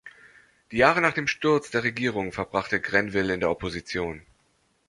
Die Jahre nach dem Sturz der Regierung verbrachte Grenville in der Opposition.